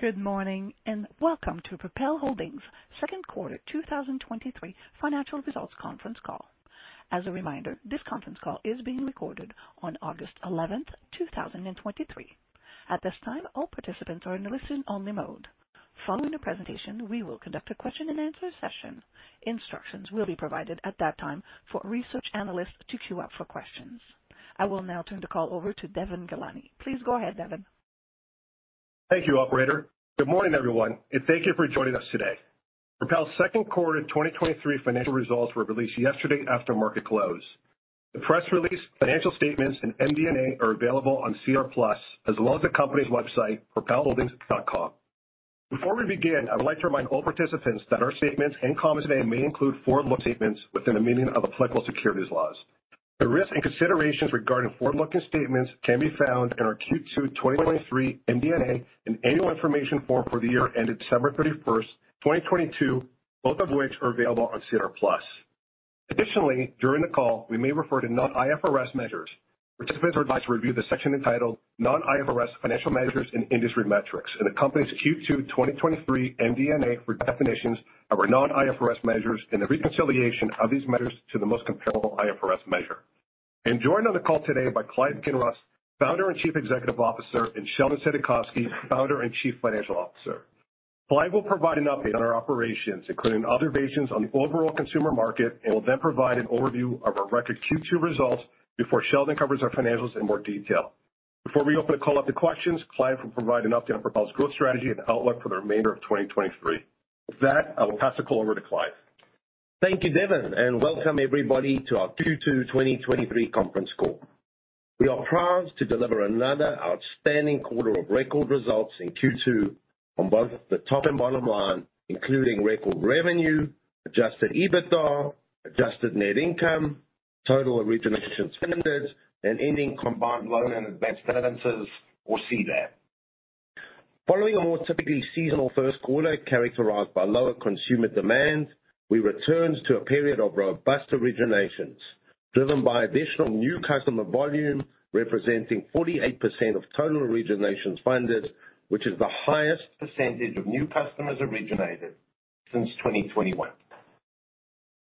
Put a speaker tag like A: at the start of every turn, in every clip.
A: Good morning. Welcome to Propel Holdings second quarter 2023 financial results conference call. As a reminder, this conference call is being recorded on August 11th, 2023. At this time, all participants are in a listen-only mode. Following the presentation, we will conduct a question-and-answer session. Instructions will be provided at that time for research analysts to queue up for questions. I will now turn the call over to Devon Ghelani. Please go ahead, Devon.
B: Thank you, operator. Good morning, everyone, and thank you for joining us today. Propel's second quarter 2023 financial results were released yesterday after market close. The press release, financial statements, and MD&A are available on SEDAR+, as well as the company's website, propelholdings.com. Before we begin, I would like to remind all participants that our statements and comments today may include forward-looking statements within the meaning of applicable securities laws. The risks and considerations regarding forward-looking statements can be found in our Q2 2023 MD&A and annual information form for the year ended December 31st, 2022, both of which are available on SEDAR+. Additionally, during the call, we may refer to non-IFRS measures. Participants are advised to review the section entitled "Non-IFRS Financial Measures and Industry Metrics" in the company's Q2 2023 MD&A for definitions of our Non-IFRS measures and the reconciliation of these measures to the most comparable IFRS measure. I'm joined on the call today by Clive Kinross, Co-Founder and Chief Executive Officer, and Sheldon Saidakovsky, Co-Founder and Chief Financial Officer. Clive will provide an update on our operations, including observations on the overall consumer market, and will then provide an overview of our record Q2 results before Sheldon covers our financials in more detail. Before we open the call up to questions, Clive will provide an update on Propel's growth strategy and outlook for the remainder of 2023. With that, I will pass the call over to Clive.
C: Thank you, Devon, welcome everybody to our Q2 2023 conference call. We are proud to deliver another outstanding quarter of record results in Q2 on both the top and bottom line, including record revenue, adjusted EBITDA, adjusted net income, total originations funded, and ending combined loan and advanced balances or CLAB. Following a more typically seasonal first quarter characterized by lower consumer demand, we returned to a period of robust originations, driven by additional new customer volume, representing 48% of total originations funded, which is the highest percentage of new customers originated since 2021.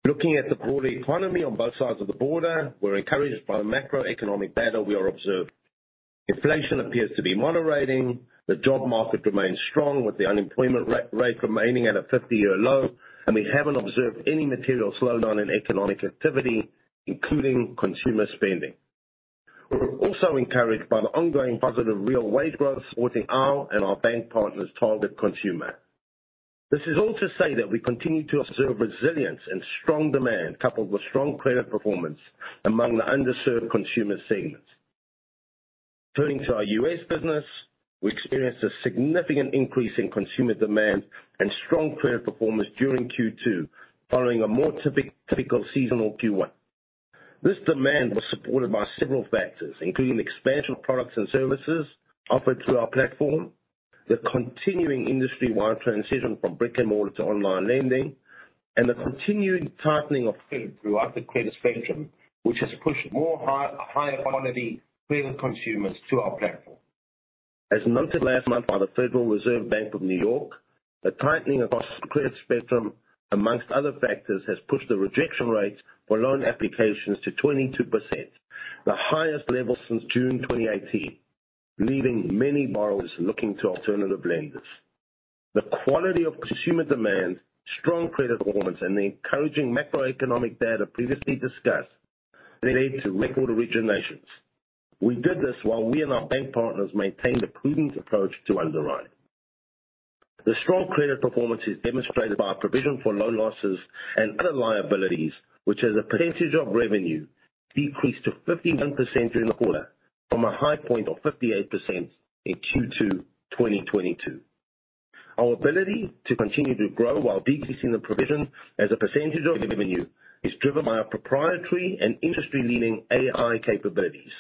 C: Looking at the broader economy on both sides of the border, we're encouraged by the macroeconomic data we are observing. Inflation appears to be moderating, the job market remains strong with the unemployment rate remaining at a 50-year low, we haven't observed any material slowdown in economic activity, including consumer spending. We're also encouraged by the ongoing positive real wage growth supporting our and our bank partners' target consumer. This is all to say that we continue to observe resilience and strong demand, coupled with strong credit performance among the underserved consumer segments. Turning to our U.S. business, we experienced a significant increase in consumer demand and strong credit performance during Q2, following a more typical seasonal Q1. This demand was supported by several factors, including the expansion of products and services offered through our platform, the continuing industry-wide transition from brick-and-mortar to online lending, and the continuing tightening of credit throughout the credit spectrum, which has pushed more higher quality credit consumers to our platform. As noted last month by the Federal Reserve Bank of New York, the tightening across the credit spectrum, amongst other factors, has pushed the rejection rates for loan applications to 22%, the highest level since June 2018, leaving many borrowers looking to alternative lenders. The quality of consumer demand, strong credit performance, and the encouraging macroeconomic data previously discussed led to record originations. We did this while we and our bank partners maintained a prudent approach to underwriting. The strong credit performance is demonstrated by our provision for loan losses and other liabilities, which as a percentage of revenue, decreased to 51% during the quarter from a high point of 58% in Q2 2022. Our ability to continue to grow while decreasing the provision as a percentage of revenue is driven by our proprietary and industry-leading AI capabilities.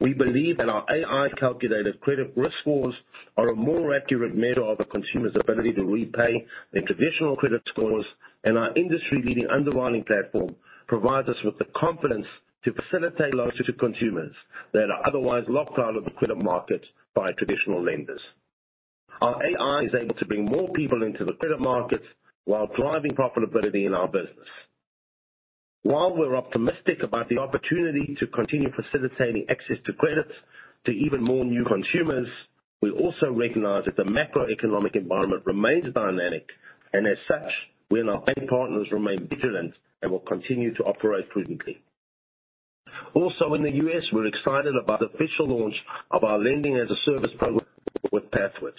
C: We believe that our AI-calculated credit risk scores are a more accurate measure of a consumer's ability to repay than traditional credit scores, and our industry-leading underwriting platform provides us with the confidence to facilitate loans to consumers that are otherwise locked out of the credit market by traditional lenders. Our AI is able to bring more people into the credit markets while driving profitability in our business. While we're optimistic about the opportunity to continue facilitating access to credit to even more new consumers, we also recognize that the macroeconomic environment remains dynamic, and as such, we and our bank partners remain vigilant and will continue to operate prudently. In the U.S., we're excited about the official launch of our lending-as-a-service program with Pathward.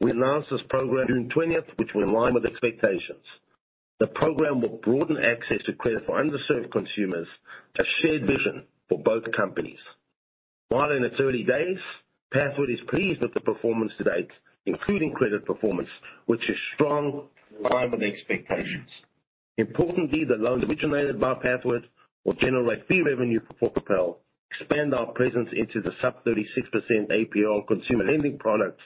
C: We announced this program on the 20th, which were in line with expectations. The program will broaden access to credit for underserved consumers, a shared vision for both companies. While in its early days, Pathward is pleased with the performance to date, including credit performance, which is strong and in line with expectations. Importantly, the loans originated by Pathward will generate fee revenue for Propel, expand our presence into the sub-36% APR consumer lending products,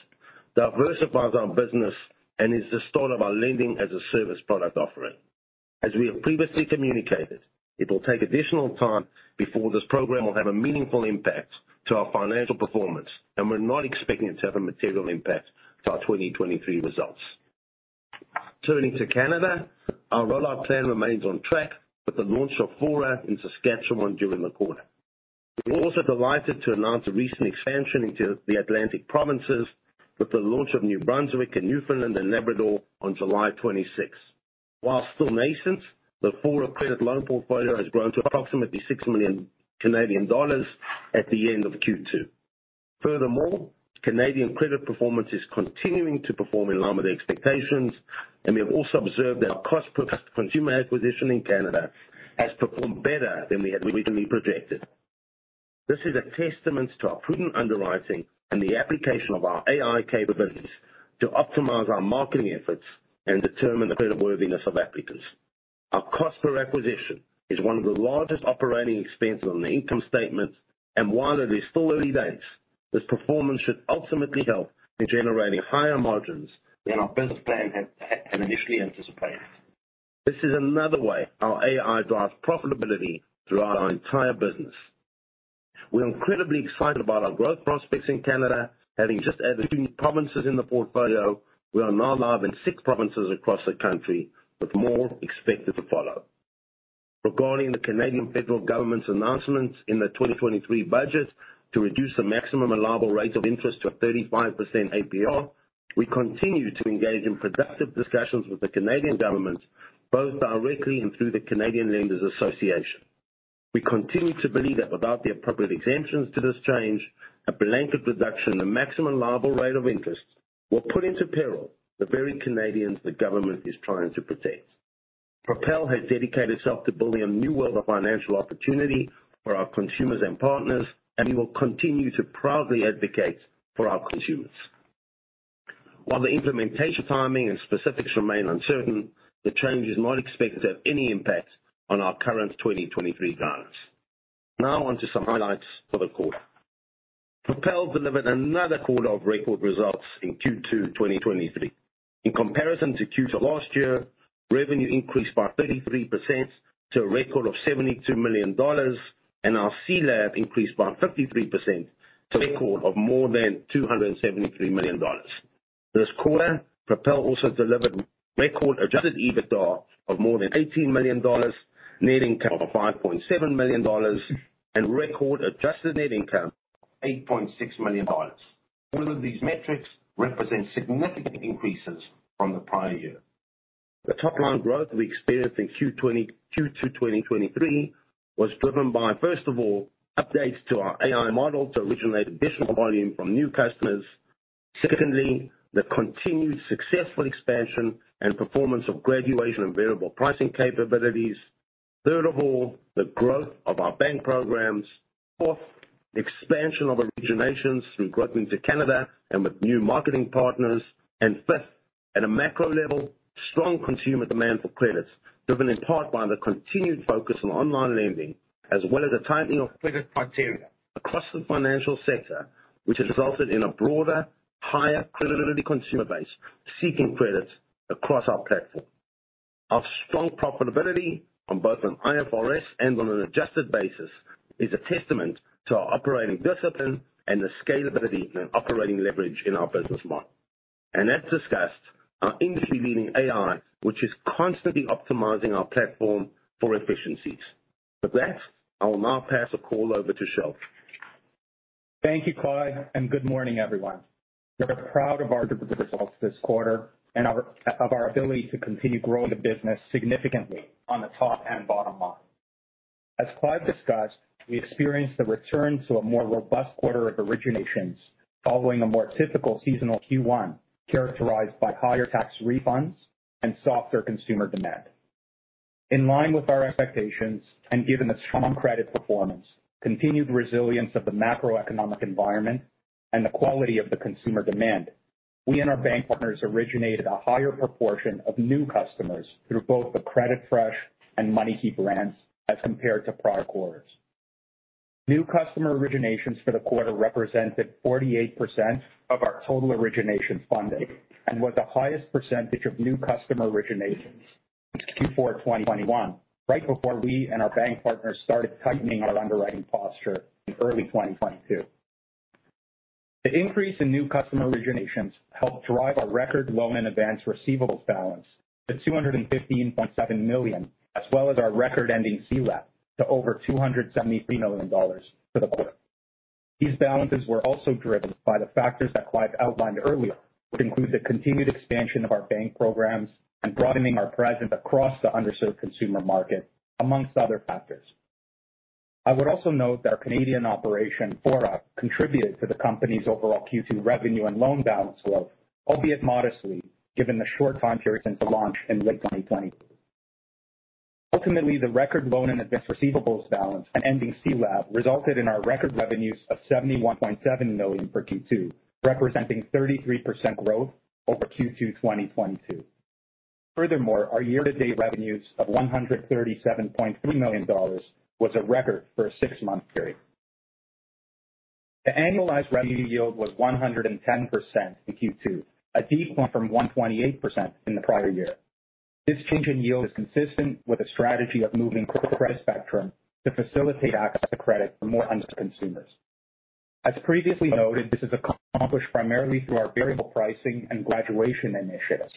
C: diversifies our business, and is the start of our Lending-as-a-Service product offering. As we have previously communicated, it will take additional time before this program will have a meaningful impact to our financial performance, and we're not expecting it to have a material impact to our 2023 results. Turning to Canada, our rollout plan remains on track with the launch of Fora in Saskatchewan during the quarter. We're also delighted to announce a recent expansion into the Atlantic provinces with the launch of New Brunswick and Newfoundland and Labrador on July 26. While still nascent, the Fora Credit loan portfolio has grown to approximately 6 million Canadian dollars at the end of Q2. Furthermore, Canadian credit performance is continuing to perform in line with expectations, and we have also observed that our cost per consumer acquisition in Canada has performed better than we had originally projected. This is a testament to our prudent underwriting and the application of our AI capabilities to optimize our marketing efforts and determine the creditworthiness of applicants. Our cost per acquisition is one of the largest operating expenses on the income statement, and while it is still early days, this performance should ultimately help in generating higher margins than our business plan had, had initially anticipated. This is another way our AI drives profitability throughout our entire business. We're incredibly excited about our growth prospects in Canada. Having just added two provinces in the portfolio, we are now live in six provinces across the country, with more expected to follow. Regarding the Canadian federal government's announcements in the 2023 budget to reduce the maximum allowable rate of interest to 35% APR, we continue to engage in productive discussions with the Canadian government, both directly and through the Canadian Lenders Association. We continue to believe that without the appropriate exemptions to this change, a blanket reduction in the maximum allowable rate of interest will put into peril the very Canadians the government is trying to protect. Propel has dedicated itself to building a new world of financial opportunity for our consumers and partners, and we will continue to proudly advocate for our consumers. While the implementation timing and specifics remain uncertain, the change is not expected to have any impact on our current 2023 guidance. On to some highlights for the quarter. Propel delivered another quarter of record results in Q2 2023. In comparison to Q2 last year, revenue increased by 33% to a record of 72 million dollars, and our CLAB increased by 53% to a record of more than 273 million dollars. This quarter, Propel also delivered record adjusted EBITDA of more than 18 million dollars, net income of 5.7 million dollars, and record adjusted net income, 8.6 million dollars. All of these metrics represent significant increases from the prior year. The top-line growth we experienced in Q2 2023 was driven by, first of all, updates to our AI model to originate additional volume from new customers. Secondly, the continued successful expansion and performance of graduation and variable pricing capabilities. Third of all, the growth of our bank programs. Fourth, expansion of originations through growth into Canada and with new marketing partners. Fifth, at a macro level, strong consumer demand for credit, driven in part by the continued focus on online lending, as well as a tightening of credit criteria across the financial sector, which has resulted in a broader, higher credibility consumer base seeking credits across our platform. Our strong profitability on both an IFRS and on an adjusted basis, is a testament to our operating discipline and the scalability and operating leverage in our business model. As discussed, our industry-leading AI, which is constantly optimizing our platform for efficiencies. With that, I will now pass the call over to Shel.
D: Thank you, Clive, and good morning, everyone. We're proud of our results this quarter and of our ability to continue growing the business significantly on the top and bottom line. As Clive discussed, we experienced a return to a more robust quarter of originations following a more typical seasonal Q1, characterized by higher tax refunds and softer consumer demand. In line with our expectations, and given the strong credit performance, continued resilience of the macroeconomic environment, and the quality of the consumer demand, we and our bank partners originated a higher proportion of new customers through both the CreditFresh and MoneyKey brands as compared to prior quarters. New customer originations for the quarter represented 48% of our total origination funding and was the highest percentage of new customer originations since Q4 2021, right before we and our bank partners started tightening our underwriting posture in early 2022. The increase in new customer originations helped drive our record loan and advance receivables balance to $215.7 million, as well as our record-ending CLAB to over $273 million for the quarter. These balances were also driven by the factors that Clive outlined earlier, which include the continued expansion of our bank programs and broadening our presence across the underserved consumer market, amongst other factors. I would also note that our Canadian operation, Fora, contributed to the company's overall Q2 revenue and loan balance growth, albeit modestly, given the short time period since the launch in late 2020. Ultimately, the record loan and advance receivables balance and ending CLAB resulted in our record revenues of 71.7 million for Q2, representing 33% growth over Q2 2022. Our year-to-date revenues of 137.3 million dollars was a record for a six-month period. The annualized revenue yield was 110% in Q2, a decline from 128% in the prior year. This change in yield is consistent with a strategy of moving credit spectrum to facilitate access to credit for more consumers. As previously noted, this is accomplished primarily through our variable pricing and graduation initiatives.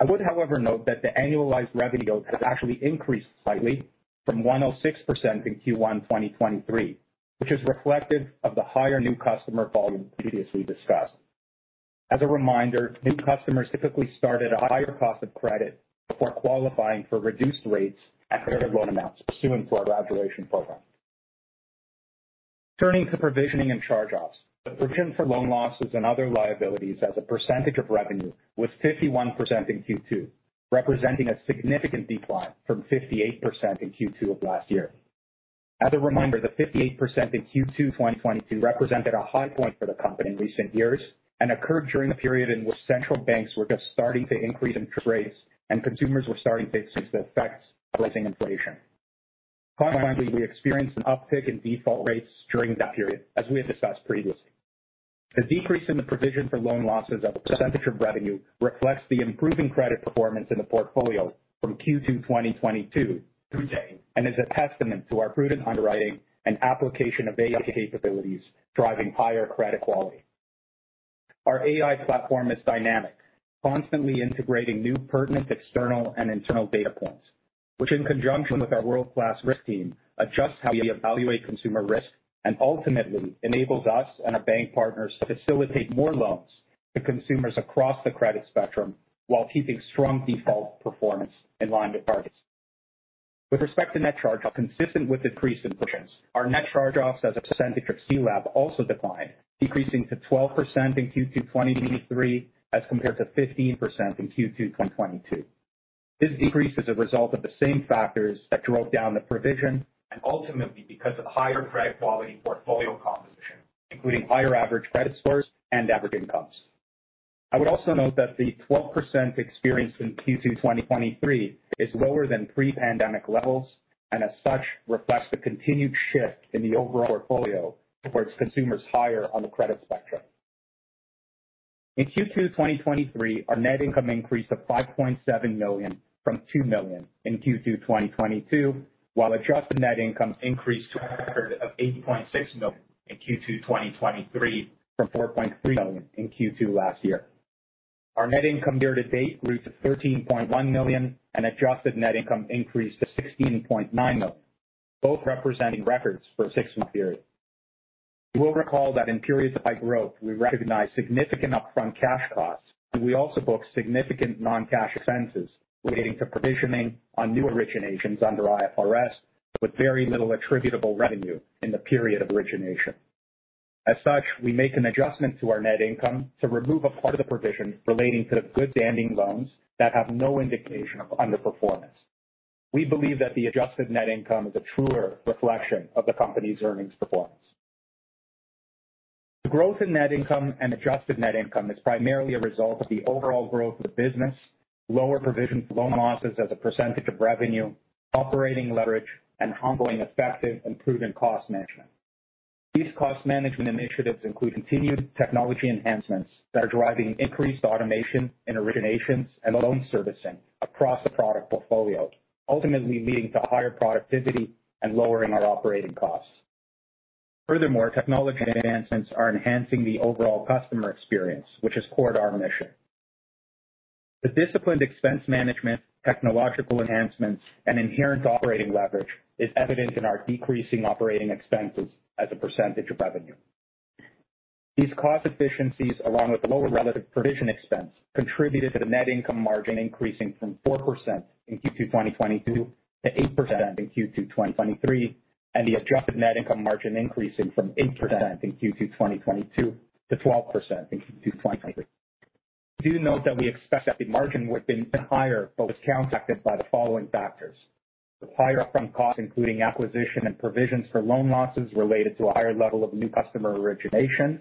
D: I would, however, note that the annualized revenue yield has actually increased slightly from 106% in Q1 2023, which is reflective of the higher new customer volume previously discussed. As a reminder, new customers typically start at a higher cost of credit before qualifying for reduced rates after loan amounts pursuant to our Graduation program. Turning to provisioning and charge-offs, the provision for loan losses and other liabilities as a percentage of revenue was 51% in Q2, representing a significant decline from 58% in Q2 of last year. As a reminder, the 58% in Q2 2022 represented a high point for the company in recent years and occurred during the period in which central banks were just starting to increase interest rates and consumers were starting to see the effects of rising inflation. Finally, we experienced an uptick in default rates during that period, as we had discussed previously. The decrease in the provision for loan losses as a percentage of revenue reflects the improving credit performance in the portfolio from Q2 2022 to date, and is a testament to our prudent underwriting and application of AI capabilities driving higher credit quality. Our AI platform is dynamic, constantly integrating new pertinent external and internal data points, which, in conjunction with our world-class risk team, adjusts how we evaluate consumer risk and ultimately enables us and our bank partners to facilitate more loans to consumers across the credit spectrum while keeping strong default performance in line with targets. With respect to net charge-off, consistent with decreased impressions, our net charge-offs as a percentage of CLAB also declined, decreasing to 12% in Q2 2023, as compared to 15% in Q2 2022. This decrease is a result of the same factors that drove down the provision and ultimately because of the higher credit quality portfolio composition, including higher average credit scores and average incomes. I would also note that the 12% experienced in Q2 2023 is lower than pre-pandemic levels, and as such, reflects the continued shift in the overall portfolio towards consumers higher on the credit spectrum. In Q2 2023, our net income increased to 5.7 million from 2 million in Q2 2022, while adjusted net income increased to a record of 8.6 million in Q2 2023, from 4.3 million in Q2 last year. Our net income year to date grew to 13.1 million, and adjusted net income increased to 16.9 million, both representing records for a six-month period. You will recall that in periods of high growth, we recognize significant upfront cash costs, and we also book significant non-cash expenses relating to provisioning on new originations under IFRS, with very little attributable revenue in the period of origination. As such, we make an adjustment to our net income to remove a part of the provision relating to the good standing loans that have no indication of underperformance. We believe that the adjusted net income is a truer reflection of the company's earnings performance. The growth in net income and adjusted net income is primarily a result of the overall growth of the business, lower provision for loan losses as a percent of revenue, operating leverage, and ongoing effective improvement in cost management. These cost management initiatives include continued technology enhancements that are driving increased automation in originations and loan servicing across the product portfolio, ultimately leading to higher productivity and lowering our operating costs. Furthermore, technology enhancements are enhancing the overall customer experience, which is core to our mission. The disciplined expense management, technological enhancements, and inherent operating leverage is evident in our decreasing operating expenses as a percentage of revenue. These cost efficiencies, along with lower relative provision expense, contributed to the net income margin increasing from 4% in Q2 2022 to 8% in Q2 2023, and the adjusted net income margin increasing from 8% in Q2 2022 to 12% in Q2 2023. I do note that we expect that the margin would have been higher, but was impacted by the following factors: The higher upfront costs, including acquisition and provisions for loan losses related to a higher level of new customer origination.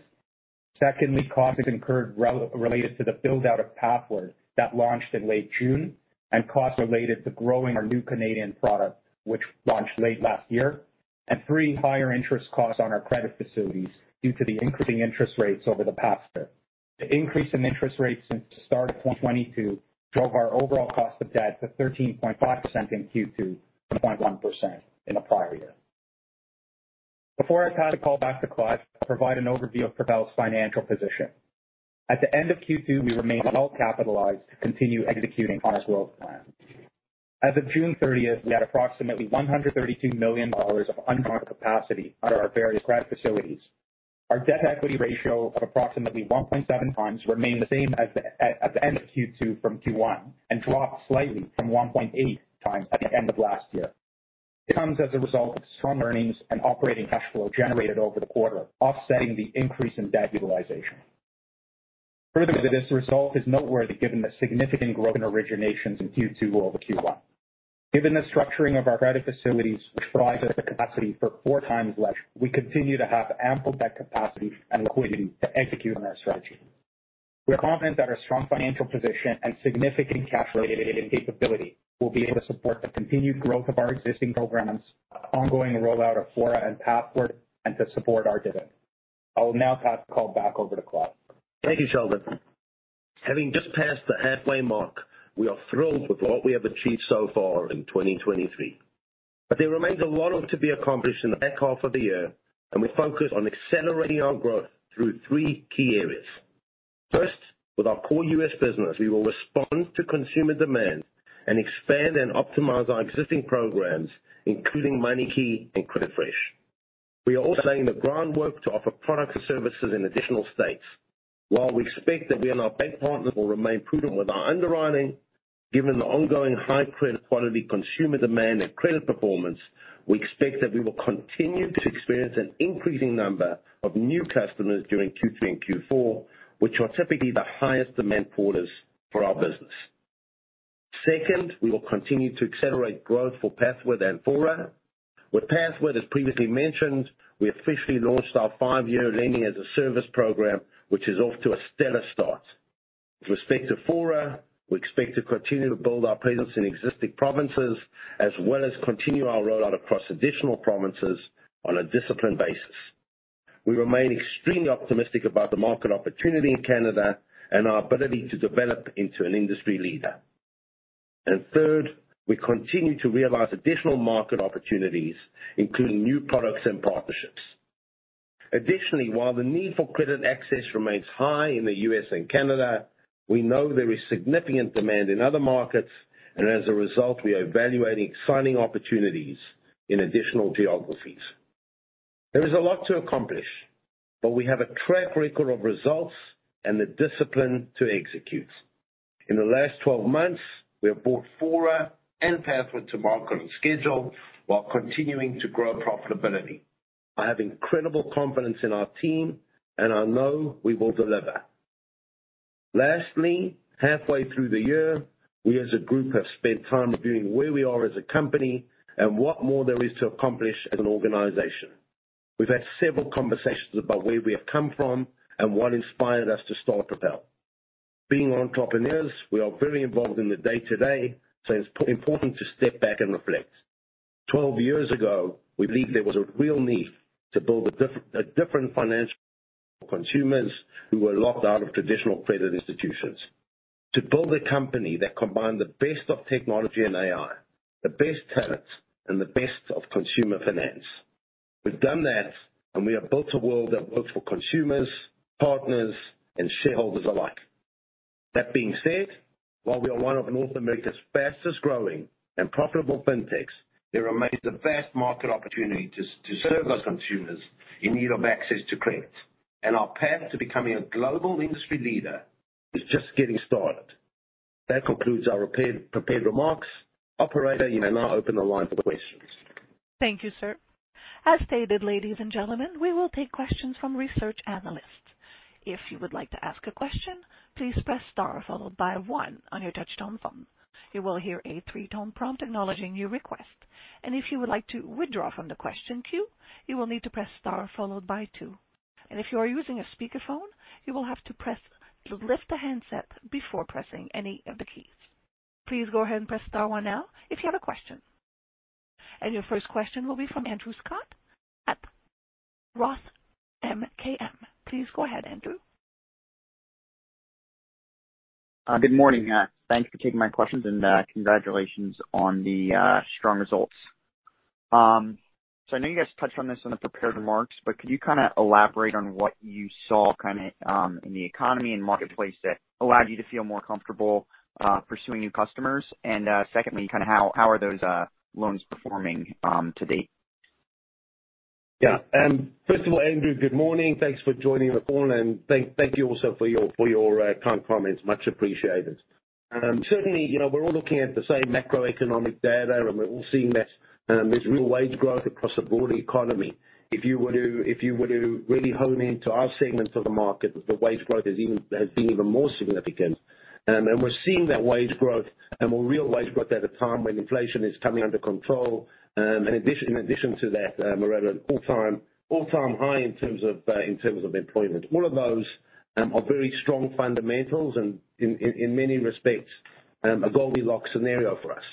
D: Secondly, costs incurred related to the build-out of Pathward that launched in late June, and costs related to growing our new Canadian product, which launched late last year. Three, higher interest costs on our credit facilities due to the increasing interest rates over the past year. The increase in interest rates since the start of 2022 drove our overall cost of debt to 13.5% in Q2 from 0.1% in the prior year. Before I pass the call back to Clive, I'll provide an overview of Propel's financial position. At the end of Q2, we remained well capitalized to continue executing on our growth plan. As of June 30th, we had approximately 132 million dollars of undrawn capacity under our various credit facilities. Our debt-to-equity ratio of approximately 1.7x remained the same at the end of Q2 from Q1, and dropped slightly from 1.8x at the end of last year. It comes as a result of strong earnings and operating cash flow generated over the quarter, offsetting the increase in debt utilization. Furthermore, this result is noteworthy given the significant growth in originations in Q2 over Q1. Given the structuring of our credit facilities, which provides us the capacity for 4x leverage, we continue to have ample debt capacity and liquidity to execute on our strategy.... We are confident that our strong financial position and significant cash rate and capability will be able to support the continued growth of our existing programs, ongoing rollout of Fora and Pathward, and to support our dividend. I will now pass the call back over to Clive.
C: Thank you, Sheldon. Having just passed the halfway mark, we are thrilled with what we have achieved so far in 2023. There remains a lot of to be accomplished in the back half of the year, and we focus on accelerating our growth through three key areas. First, with our core U.S. business, we will respond to consumer demand and expand and optimize our existing programs, including MoneyKey and CreditFresh. We are also laying the groundwork to offer products and services in additional states. While we expect that we and our bank partners will remain prudent with our underwriting, given the ongoing high credit quality, consumer demand, and credit performance, we expect that we will continue to experience an increasing number of new customers during Q3 and Q4, which are typically the highest demand quarters for our business. Second, we will continue to accelerate growth for Pathward and Fora. With Pathward, as previously mentioned, we officially launched our five-year lending-as-a-service program, which is off to a stellar start. With respect to Fora, we expect to continue to build our presence in existing provinces, as well as continue our rollout across additional provinces on a disciplined basis. We remain extremely optimistic about the market opportunity in Canada and our ability to develop into an industry leader. Third, we continue to realize additional market opportunities, including new products and partnerships. Additionally, while the need for credit access remains high in the U.S. and Canada, we know there is significant demand in other markets, and as a result, we are evaluating exciting opportunities in additional geographies. There is a lot to accomplish, but we have a track record of results and the discipline to execute. In the last 12 months, we have brought Fora and Pathward to market on schedule while continuing to grow profitability. I have incredible confidence in our team, and I know we will deliver. Lastly, halfway through the year, we as a group have spent time reviewing where we are as a company and what more there is to accomplish as an organization. We've had several conversations about where we have come from and what inspired us to start Propel. Being entrepreneurs, we are very involved in the day-to-day, so it's important to step back and reflect. 12 years ago, we believed there was a real need to build a different financial consumers who were locked out of traditional credit institutions. To build a company that combined the best of technology and AI, the best talents, and the best of consumer finance. We've done that, and we have built a world that works for consumers, partners, and shareholders alike. That being said, while we are one of North America's fastest growing and profitable fintechs, there remains a vast market opportunity to serve our consumers in need of access to credit, and our path to becoming a global industry leader is just getting started. That concludes our prepared remarks. Operator, you may now open the line for questions.
A: Thank you, sir. As stated, ladies and gentlemen, we will take questions from research analysts. If you would like to ask a question, please press star followed by 1 on your touchtone phone. You will hear a 3-tone prompt acknowledging your request. If you would like to withdraw from the question queue, you will need to press star followed by 2. If you are using a speakerphone, you will have to lift the handset before pressing any of the keys. Please go ahead and press star 1 now if you have a question. Your first question will be from Andrew Scutt at Roth MKM. Please go ahead, Andrew.
E: Good morning. Thank you for taking my questions, and congratulations on the strong results. I know you guys touched on this in the prepared remarks, but could you kind of elaborate on what you saw kind of in the economy and marketplace that allowed you to feel more comfortable pursuing new customers? Secondly, kind of how, how are those loans performing to date?
C: Yeah. First of all, Andrew, good morning. Thanks for joining the call, and thank, thank you also for your, for your kind comments. Much appreciated. Certainly, you know, we're all looking at the same macroeconomic data, and we're all seeing that there's real wage growth across the broader economy. If you were to, if you were to really hone into our segments of the market, the wage growth is even- has been even more significant. We're seeing that wage growth and more real wage growth at a time when inflation is coming under control. In addition, in addition to that, we're at an all-time, all-time high in terms of, in terms of employment. All of those are very strong fundamentals and in, in, in many respects, a Goldilocks scenario for us.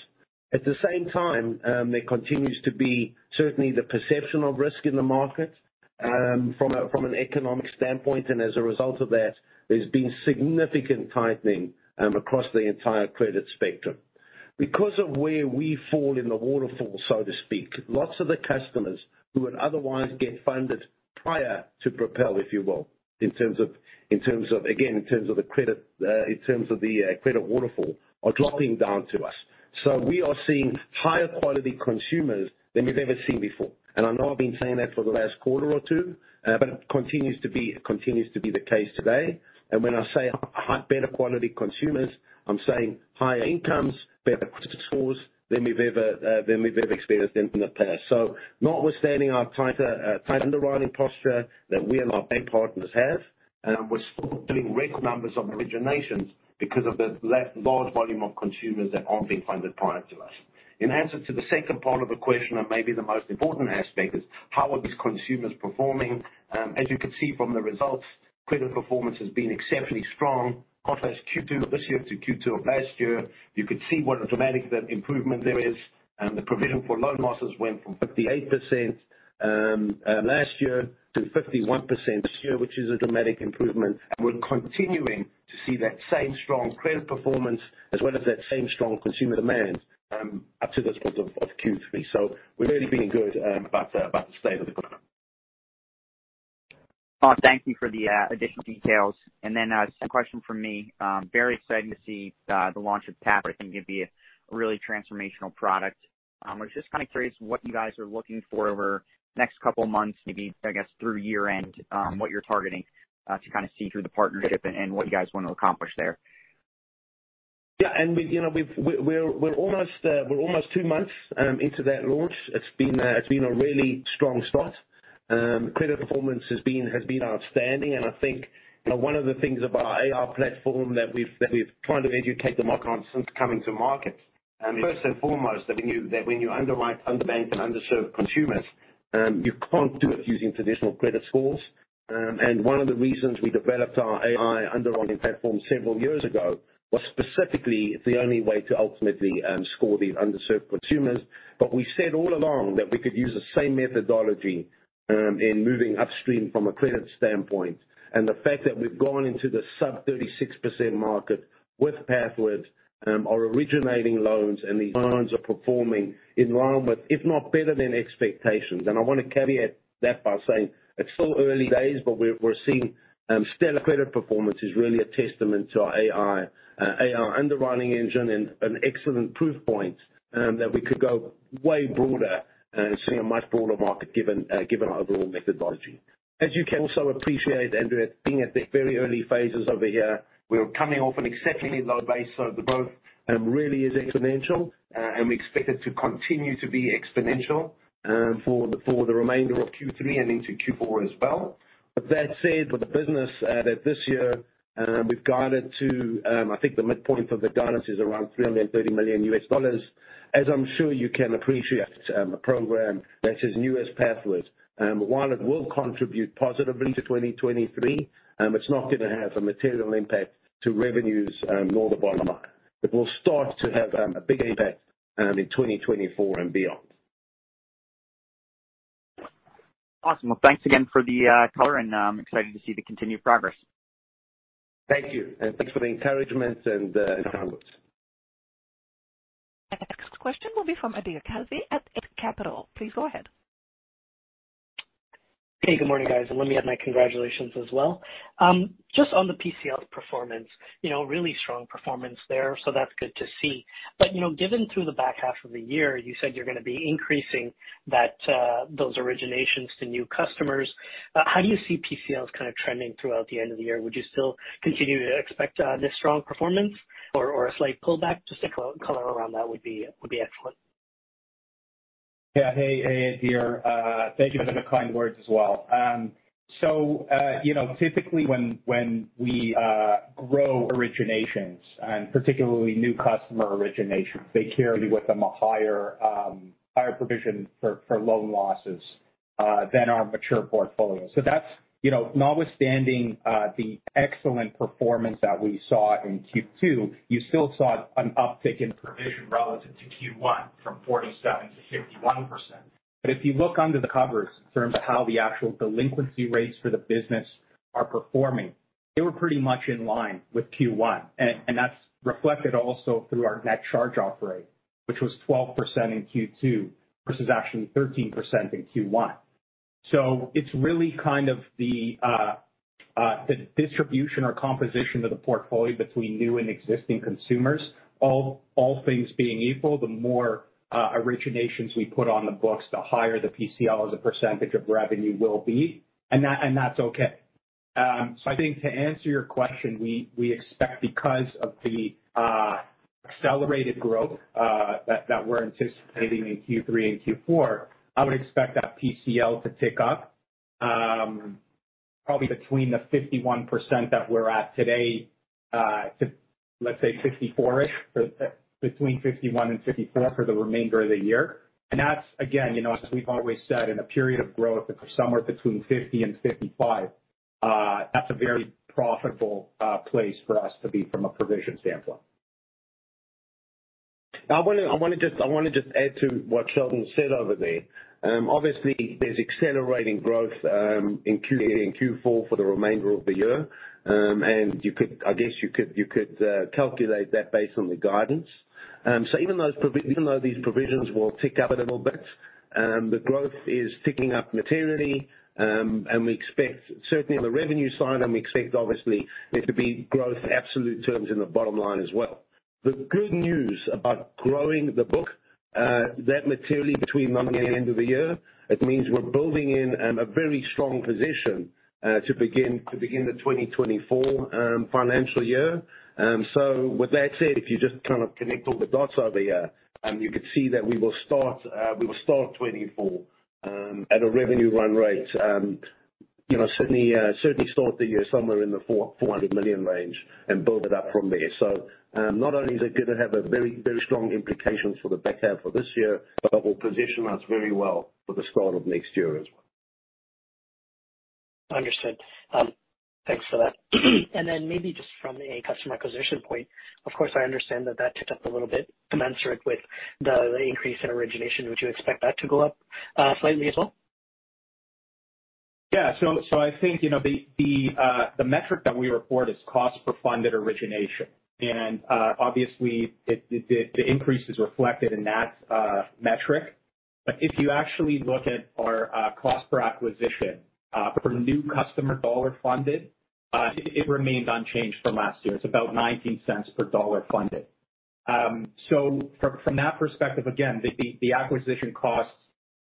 C: At the same time, there continues to be certainly the perception of risk in the market, from a, from an economic standpoint, and as a result of that, there's been significant tightening, across the entire credit spectrum. Because of where we fall in the waterfall, so to speak, lots of the customers who would otherwise get funded prior to Propel, if you will, in terms of, in terms of, again, in terms of the credit waterfall, are dropping down to us. We are seeing higher quality consumers than we've ever seen before. I know I've been saying that for the last quarter or two, but it continues to be, continues to be the case today. When I say high- better quality consumers, I'm saying higher incomes, better credit scores than we've ever than we've ever experienced in, in the past. Notwithstanding our tighter, tight underwriting posture that we and our bank partners have, we're still doing record numbers of originations because of the large volume of consumers that aren't being funded prior to us. In answer to the second part of the question, and maybe the most important aspect, is how are these consumers performing? As you can see from the results, credit performance has been exceptionally strong. Contrast Q2 of this year to Q2 of last year, you could see what a dramatic, the improvement there is, and the provision for loan losses went from 58% last year to 51% this year, which is a dramatic improvement. We're continuing to see that same strong credit performance as well as that same strong consumer demand, up to this point of, of Q3. We're really feeling good, about the, about the state of the company.
E: Oh, thank you for the additional details. Second question from me. Very exciting to see the launch of Pathward. I think it'd be a really transformational product. I was just kind of curious what you guys are looking for over the next two months, maybe, I guess, through year-end, what you're targeting to kind of see through the partnership and, and what you guys want to accomplish there.
C: Yeah, and we've, you know, we're, we're almost two months into that launch. It's been, it's been a really strong start. Credit performance has been, has been outstanding, and I think, you know, one of the things about our AI platform that we've, that we've tried to educate the market on since coming to market, first and foremost, that when you, that when you underwrite underbanked and underserved consumers, you can't do it using traditional credit scores. One of the reasons we developed our AI underwriting platform several years ago was specifically the only way to ultimately score these underserved consumers. We said all along that we could use the same methodology in moving upstream from a credit standpoint. The fact that we've gone into the sub 36% market with Pathward, are originating loans, and these loans are performing in line with, if not better than expectations. I want to caveat that by saying it's still early days, but we're seeing stellar credit performance is really a testament to our AI AI underwriting engine and an excellent proof point, that we could go way broader and see a much broader market given our overall methodology. As you can also appreciate, Andrew, being at the very early phases over here, we're coming off an exceptionally low base, so the growth, really is exponential, and we expect it to continue to be exponential, for the, for the remainder of Q3 and into Q4 as well. That said, with the business that this year, we've guided to, I think the midpoint of the guidance is around $330 million. As I'm sure you can appreciate, a program such as new as Pathward, while it will contribute positively to 2023, it's not going to have a material impact to revenues, nor the bottom line. It will start to have a big impact in 2024 and beyond.
E: Awesome. Well, thanks again for the color, and excited to see the continued progress.
C: Thank you. Thanks for the encouragement and kind words.
A: Our next question will be from Adir Koschitzky at AYAL Capital. Please go ahead.
F: Hey, good morning, guys. Let me add my congratulations as well. Just on the PCLs performance, you know, really strong performance there, so that's good to see. You know, given through the back half of the year, you said you're going to be increasing that, those originations to new customers. How do you see PCLs kind of trending throughout the end of the year? Would you still continue to expect this strong performance or, or a slight pullback? Just to color, color around that would be, would be excellent.
D: Yeah. Hey, Adir, thank you for the kind words as well. You know, typically when, when we grow originations, and particularly new customer originations, they carry with them a higher, higher provision for, for loan losses than our mature portfolio. You know, notwithstanding the excellent performance that we saw in Q2, you still saw an uptick in provision relative to Q1 from 47%-51%. If you look under the covers in terms of how the actual delinquency rates for the business are performing, they were pretty much in line with Q1, and that's reflected also through our net charge-off rate, which was 12% in Q2 versus actually 13% in Q1. It's really kind of the distribution or composition of the portfolio between new and existing consumers. All things being equal, the more originations we put on the books, the higher the PCL as a percentage of revenue will be, and that, and that's okay. I think to answer your question, we, we expect because of the accelerated growth that, that we're anticipating in Q3 and Q4, I would expect that PCL to tick up, probably between the 51% that we're at today, to, let's say, 64%ish, between 51% and 64% for the remainder of the year. That's, again, you know, as we've always said, in a period of growth somewhere between 50% and 55%, that's a very profitable place for us to be from a provision standpoint.
C: I want to, I want to just, I want to just add to what Sheldon said over there. Obviously, there's accelerating growth in Q3 and Q4 for the remainder of the year. I guess, you could, you could calculate that based on the guidance. Even though prov- even though these provisions will tick up a little bit, the growth is ticking up materially, and we expect certainly on the revenue side, and we expect obviously there to be growth in absolute terms in the bottom line as well. The good news about growing the book, that materially between now and the end of the year, it means we're building in a very strong position to begin, to begin the 2024 financial year. With that said, if you just kind of connect all the dots over here, you can see that we will start, we will start 2024 at a revenue run rate, you know, certainly start the year somewhere in the 400 million range and build it up from there. Not only is it going to have a very, very strong implications for the back half of this year, but it will position us very well for the start of next year as well.
F: Understood. Thanks for that. Maybe just from a customer acquisition point, of course, I understand that that ticked up a little bit commensurate with the, the increase in origination. Would you expect that to go up slightly as well?
D: Yeah. I think, you know, the metric that we report is Cost per funded origination. Obviously, the increase is reflected in that metric. If you actually look at our cost per acquisition per new customer dollar funded, it remains unchanged from last year. It's about $0.19 per dollar funded. From that perspective, again, the acquisition costs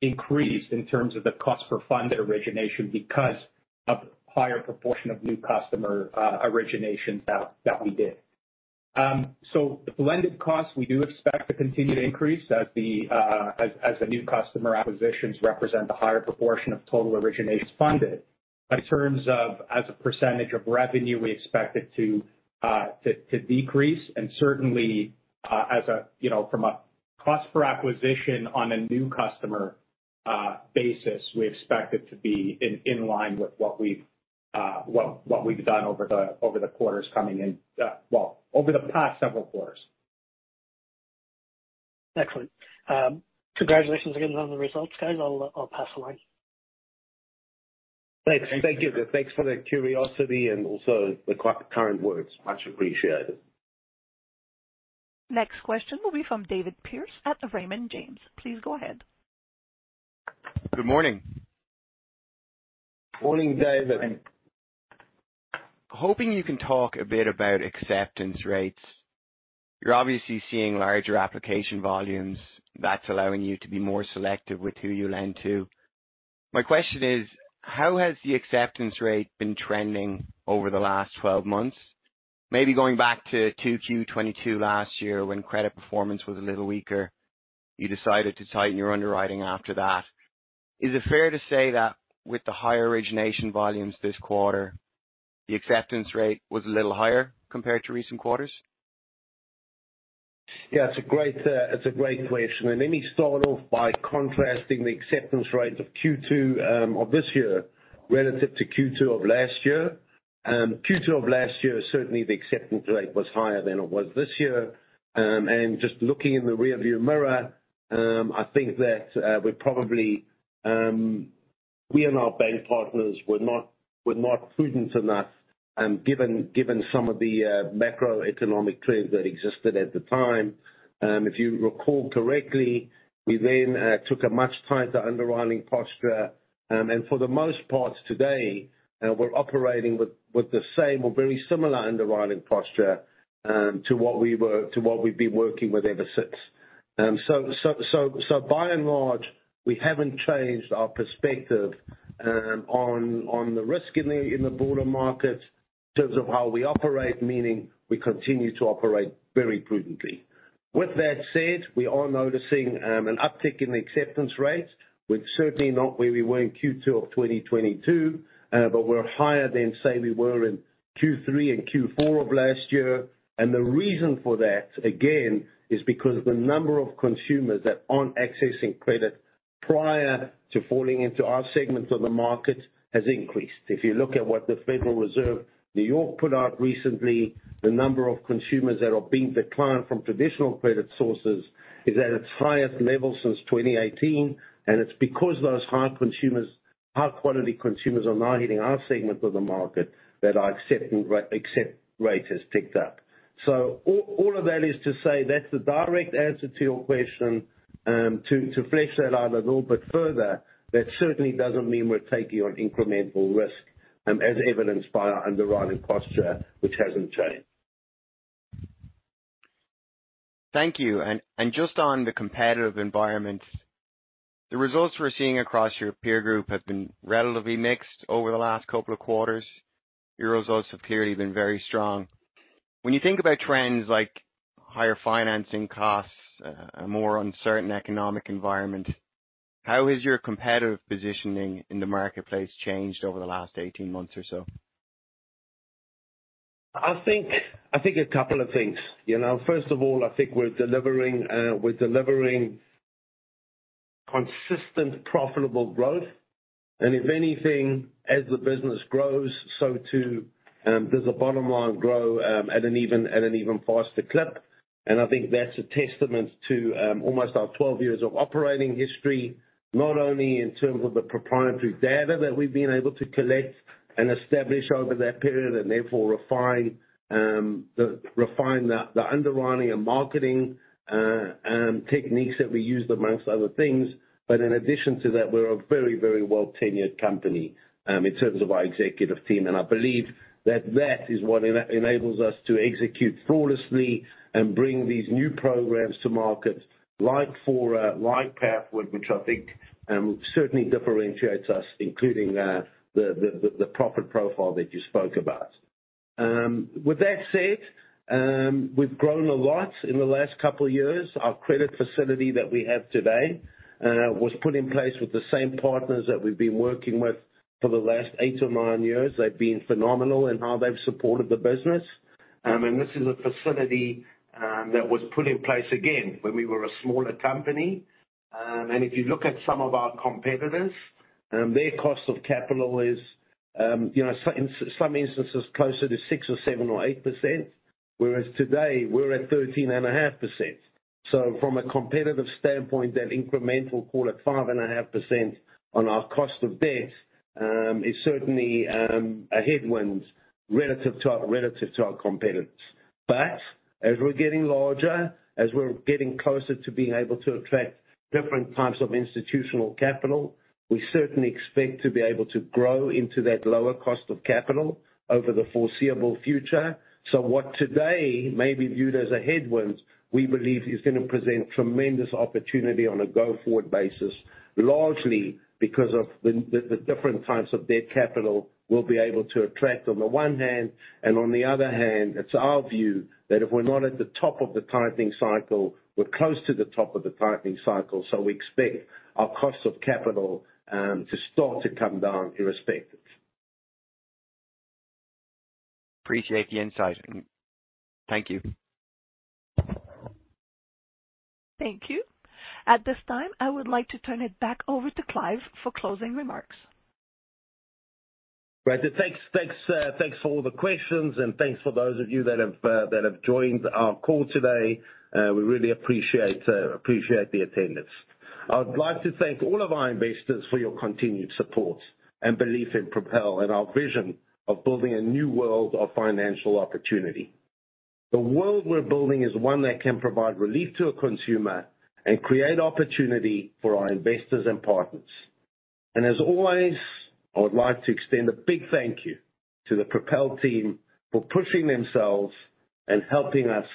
D: increased in terms of the Cost per funded origination because of higher proportion of new customer origination that we did. The blended costs, we do expect to continue to increase as the new customer acquisitions represent a higher proportion of total originations funded. In terms of as a percentage of revenue, we expect it to, to decrease and certainly, as a, you know, from a cost per acquisition on a new customer basis, we expect it to be in, in line with what we've, what, what we've done over the, over the quarters coming in, well, over the past several quarters.
F: Excellent. Congratulations again on the results, guys. I'll, I'll pass along.
C: Thanks. Thank you. Thanks for the curiosity and also the current words. Much appreciated.
A: Next question will be from David Pierse at Raymond James. Please go ahead.
G: Good morning.
C: Morning, David.
G: Hoping you can talk a bit about acceptance rates. You're obviously seeing larger application volumes that's allowing you to be more selective with who you lend to. My question is, how has the acceptance rate been trending over the last 12 months? Maybe going back to Q2 2022 last year, when credit performance was a little weaker, you decided to tighten your underwriting after that. Is it fair to say that with the higher origination volumes this quarter, the acceptance rate was a little higher compared to recent quarters?
C: Yeah, it's a great, it's a great question. Let me start off by contrasting the acceptance rate of Q2 of this year relative to Q2 of last year. Q2 of last year, certainly the acceptance rate was higher than it was this year. Just looking in the rearview mirror, I think that we probably, we and our bank partners were not, were not prudent enough, given, given some of the macroeconomic trends that existed at the time. If you recall correctly, we then took a much tighter underwriting posture. For the most part today, we're operating with, with the same or very similar underwriting posture to what we were, to what we've been working with ever since. By and large, we haven't changed our perspective, on the risk in the, in the broader market in terms of how we operate, meaning we continue to operate very prudently. With that said, we are noticing, an uptick in the acceptance rates. We're certainly not where we were in Q2 of 2022, but we're higher than, say, we were in Q3 and Q4 of last year. The reason for that, again, is because the number of consumers that aren't accessing credit prior to falling into our segments of the market has increased. If you look at what the Federal Reserve Bank of New York put out recently, the number of consumers that are being declined from traditional credit sources is at its highest level since 2018. It's because those high quality consumers are now hitting our segment of the market that our accept rate has ticked up. All of that is to say, that's the direct answer to your question. To flesh that out a little bit further, that certainly doesn't mean we're taking on incremental risk, as evidenced by our underwriting posture, which hasn't changed.
G: Thank you. Just on the competitive environment, the results we're seeing across your peer group have been relatively mixed over the last couple of quarters. Your results have clearly been very strong. When you think about trends like higher financing costs, a more uncertain economic environment, how has your competitive positioning in the marketplace changed over the last 18 months or so?
C: I think, I think a couple of things. You know, first of all, I think we're delivering, we're delivering consistent, profitable growth. If anything, as the business grows, so too, does the bottom line grow, at an even, at an even faster clip. I think that's a testament to, almost our 12 years of operating history, not only in terms of the proprietary data that we've been able to collect and establish over that period, and therefore refine the, the underwriting and marketing, techniques that we used, amongst other things. In addition to that, we're a very, very well-tenured company, in terms of our executive team. I believe that that is what enables us to execute flawlessly and bring these new programs to market, like Fora, like Pathward, which I think certainly differentiates us, including the profit profile that you spoke about. With that said, we've grown a lot in the last couple years. Our credit facility that we have today, was put in place with the same partners that we've been working with for the last eight or nine years. They've been phenomenal in how they've supported the business. This is a facility that was put in place again when we were a smaller company. If you look at some of our competitors, their cost of capital is, in some instances closer to 6% or 7% or 8%, whereas today we're at 13.5%. From a competitive standpoint, that incremental, call it 5.5% on our cost of debt, is certainly a headwind relative to our competitors. As we're getting larger, as we're getting closer to being able to attract different types of institutional capital, we certainly expect to be able to grow into that lower cost of capital over the foreseeable future. What today may be viewed as a headwind, we believe is gonna present tremendous opportunity on a go-forward basis, largely because of the different types of debt capital we'll be able to attract, on the one hand, and on the other hand, it's our view that if we're not at the top of the tightening cycle, we're close to the top of the tightening cycle, so we expect our cost of capital to start to come down irrespective.
G: Appreciate the insight. Thank you.
A: Thank you. At this time, I would like to turn it back over to Clive for closing remarks.
C: Great. Thanks, thanks, thanks for all the questions, and thanks for those of you that have joined our call today. We really appreciate, appreciate the attendance. I would like to thank all of our investors for your continued support and belief in Propel and our vision of building a new world of financial opportunity. The world we're building is one that can provide relief to a consumer and create opportunity for our investors and partners. As always, I would like to extend a big thank you to the Propel team for pushing themselves and helping us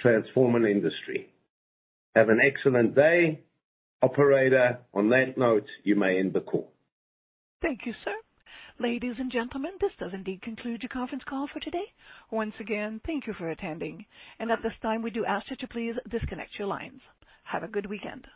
C: transform an industry. Have an excellent day. Operator, on that note, you may end the call.
A: Thank you, sir. Ladies and gentlemen, this does indeed conclude your conference call for today. Once again, thank you for attending, and at this time, we do ask you to please disconnect your lines. Have a good weekend.